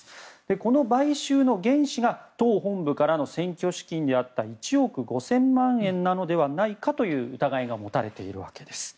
この買収の原資が党本部からの選挙資金であった１億５０００万円なのではないかという疑いが持たれているわけです。